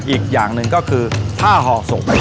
อีกอย่างหนึ่งก็คือผ้าห่อศพ